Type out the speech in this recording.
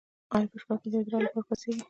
ایا په شپه کې د ادرار لپاره پاڅیږئ؟